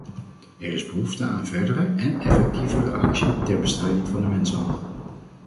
Er is behoefte aan verdere en effectievere actie ter bestrijding van de mensenhandel.